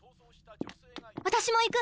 私も行く。